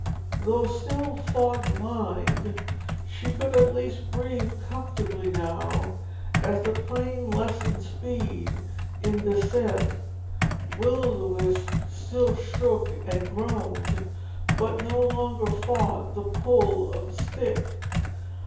Though still fog blind, she could at least breathe comfortably now as the plane lessened speed in descent. Will o' the Wisp still shook and groaned, but no longer fought the pull of the stick.